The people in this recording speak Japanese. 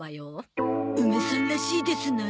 梅さんらしいですな。